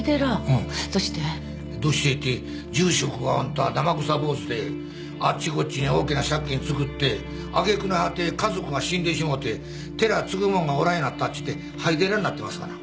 どうしてって住職があんた生臭坊主であっちこっちに大きな借金つくって揚げ句の果て家族が死んでしもうて寺継ぐ者がおらんようなったっちゅうて廃寺になってますがな。